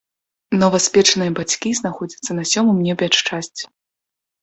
Новаспечаныя бацькі знаходзяцца на сёмым небе ад шчасця.